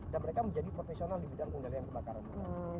dan mereka menjadi profesional di bidang pengendalian kebakaran